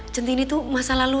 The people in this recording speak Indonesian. centini tuh masa lalu